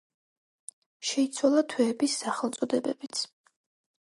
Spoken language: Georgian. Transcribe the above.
შეიცვალა თვეების სახელწოდებებიც.